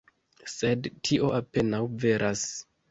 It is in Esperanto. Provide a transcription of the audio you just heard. Sed tio apenaŭ veras.